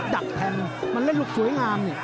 ดักแทงมันเล่นลูกสวยงามนี่